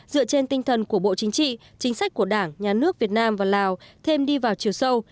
dựa trên tinh thần của bộ chính trị chính sách của đảng nhà nước việt nam và lào thêm đi vào chiều sâu